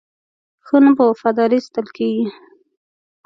ښه نوم په وفادارۍ ساتل کېږي.